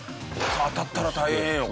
当たったら大変よ。